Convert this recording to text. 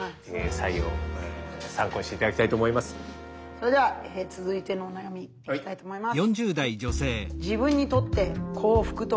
それでは続いてのお悩みいきたいと思います。